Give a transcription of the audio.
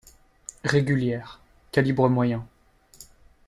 Régulière, calibre moyen.